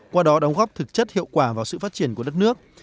qua đó đóng góp thực chất hiệu quả vào sự phát triển của đất nước